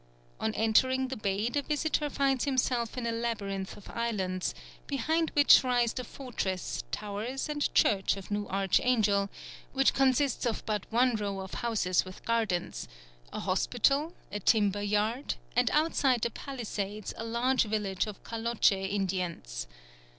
On entering the bay the visitor finds himself in a labyrinth of islands, behind which rise the fortress, towers, and church of New Archangel, which consists of but one row of houses with gardens, a hospital, a timber yard, and outside the palisades a large village of Kaloche Indians.